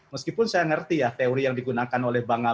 meskipun saya ngerti ya teori yang digunakan oleh bang ali